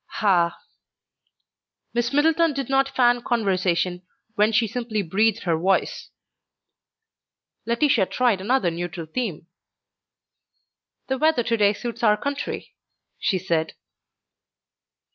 "Ah!" Miss Middleton did not fan conversation when she simply breathed her voice. Laetitia tried another neutral theme. "The weather to day suits our country," she said.